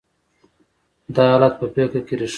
دا حالت په فکر کې رېښه وهي.